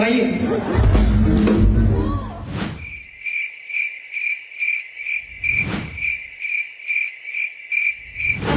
ไอโต